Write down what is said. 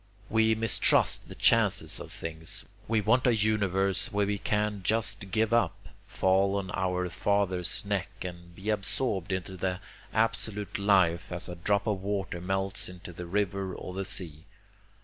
We mistrust the chances of things. We want a universe where we can just give up, fall on our father's neck, and be absorbed into the absolute life as a drop of water melts into the river or the sea.